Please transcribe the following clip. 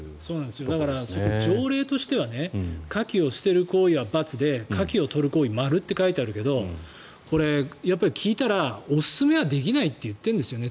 だから、条例としてはカキを捨てる行為は×でカキを取る行為は〇って書いてあるけどこれ、聞いたらおすすめはできないって言ってるんですよね